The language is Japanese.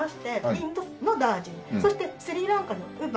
インドのダージリンそしてスリランカのウバ。